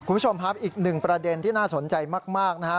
คุณผู้ชมครับอีกหนึ่งประเด็นที่น่าสนใจมากนะฮะ